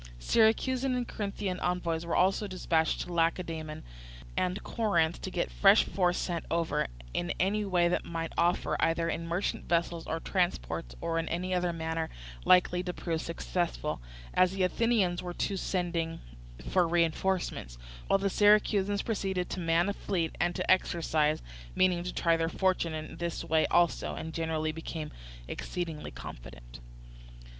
Syracusan and Corinthian envoys were also dispatched to Lacedaemon and Corinth to get a fresh force sent over, in any way that might offer, either in merchant vessels or transports, or in any other manner likely to prove successful, as the Athenians too were sending for reinforcements; while the Syracusans proceeded to man a fleet and to exercise, meaning to try their fortune in this way also, and generally became exceedingly confident.